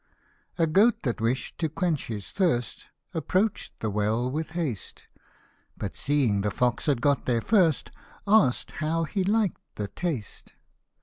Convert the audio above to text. A goat that wish'd to quench his thirst ; Approach'd the well with haste ; But seeing the fox had got there first, Ask'd how he liked the taste.